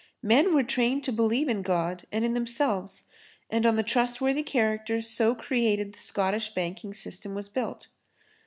Men were trained to believe in God and in themselves, and on the trustworthy character so created the Scottish banking system was built."